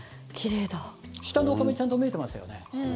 下のお米ちゃんと見えてますよね。